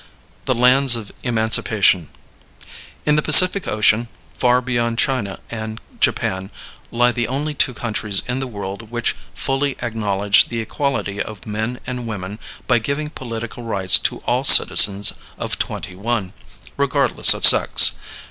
THE LANDS OF EMANCIPATION. In the Pacific Ocean, far beyond China and Japan, lie the only two countries in the world which fully acknowledge the equality of men and women by giving political rights to all citizens of twenty one, regardless of sex.